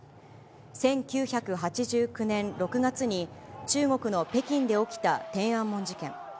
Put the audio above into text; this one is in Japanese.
１９８９年６月に、中国の北京で起きた天安門事件。